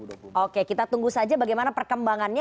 oke kita tunggu saja bagaimana perkembangannya